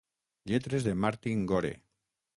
Lletres de Martin Gore.